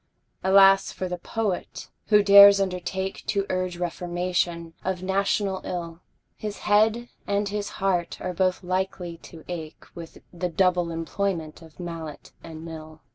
Alas for the Poet, who dares undertake To urge reformation of national ill! His head and his heart are both likely to ache With the double employment of mallet and mill.